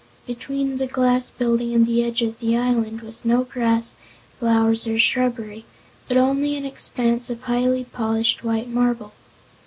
Between the glass building and the edge of the island was no grass, flowers or shrubbery, but only an expanse of highly polished white marble.